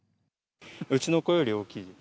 うちの子より大きい。